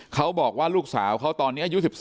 เขาบอกว่าลูกสาวเขาตอนนี้อายุ๑๔